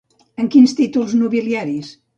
Amb quins títols nobiliaris?